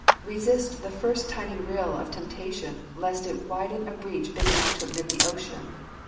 Resist the first tiny rill of temptation, lest it widen a breach big enough to admit the ocean.